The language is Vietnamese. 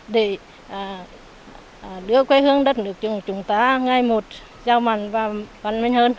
để đưa quê hương đất nước chúng ta ngày một giàu mạnh và văn minh hơn